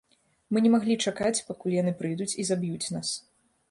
Мы не маглі чакаць, пакуль яны прыйдуць і заб'юць нас.